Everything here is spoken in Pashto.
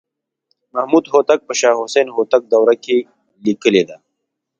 محمدهوتک په شاه حسین هوتک دوره کې لیکلې ده.